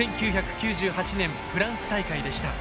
１９９８年フランス大会でした。